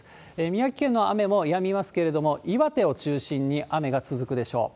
宮城県の雨もやみますけれども、岩手を中心に雨が続くでしょう。